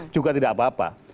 juga tidak apa apa